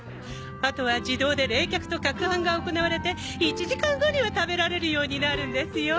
あとは自動で冷却と撹拌が行われて１時間後には食べられるようになるんですよ。